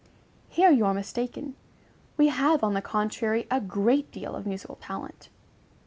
Here you are mistaken: we have, on the contrary, a great deal of musical talent.